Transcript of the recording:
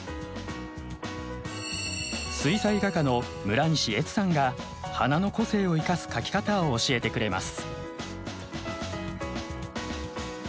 水彩画家の村西恵津さんが花の個性を生かす描き方を教えてくれます。